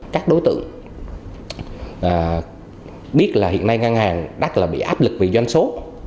các đối tượng biết là hiện nay ngân hàng đắt là bị áp lực vì doanh số